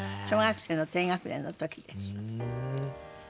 小学生の低学年の時です。